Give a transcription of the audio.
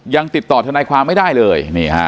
ยังติดต่อทนายความไม่ได้เลย